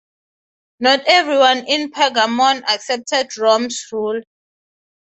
Not everyone in Pergamon accepted Rome's rule.